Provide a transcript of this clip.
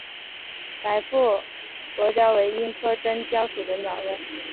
白腹隼雕为鹰科真雕属的鸟类。